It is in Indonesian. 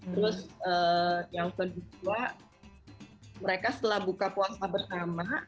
terus yang kedua mereka setelah buka puasa bersama